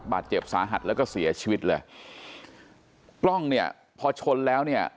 บาดเจ็บสาหัสแล้วก็เสียชีวิตเลยกล้องเนี่ยพอชนแล้วเนี่ย